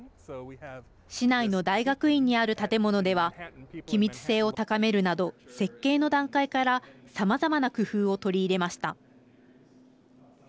市内の大学院にある建物では気密性を高めるなど設計の段階からさまざまな工夫を取り入れました。